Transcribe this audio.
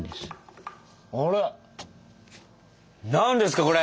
あれ何ですかこれ！